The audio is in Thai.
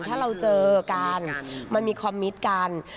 ถ้าเราเจอกันมันมีคอมมิตกัน